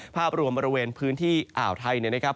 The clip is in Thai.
ภาพรวมบริเวณพื้นที่อ่าวไทยเนี่ยนะครับ